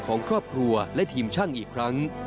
ของครอบครัวและทีมช่างอีกครั้ง